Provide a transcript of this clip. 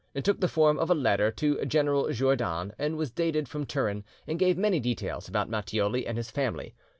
It took the form of a letter to General Jourdan, and was dated from Turin, and gave many details about Matthioli and his family.